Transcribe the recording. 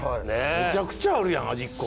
むちゃくちゃあるやん「味っ子」。